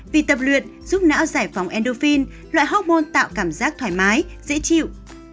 vì tập luyện giúp não giải phóng endorphin loại hormone tạo cảm giác thoải mái dễ chịu